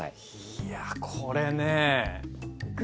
いやこれね。